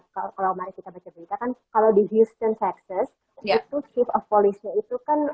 kalau kalau mari kita baca berita kan kalau di houston texas ya itu skip of polisnya itu kan